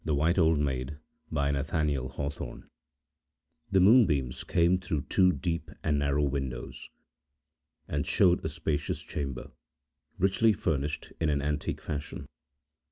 TWICE TOLD TALES By Nathaniel Hawthorne The moonbeams came through two deep and narrow windows, and showed a spacious chamber, richly furnished in an antique fashion.